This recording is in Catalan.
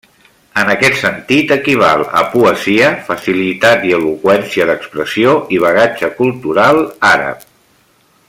En aquest sentit equival a poesia, facilitat i eloqüència d'expressió i bagatge cultural àrab.